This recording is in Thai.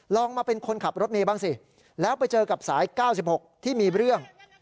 ลองมาเป็นคนขับรถเมย์บ้างสิแล้วไปเจอกับสาย๙๖ที่มีเรื่อง